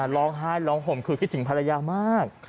ร้องไห้ร้องห่มคือคิดถึงภรรยามาก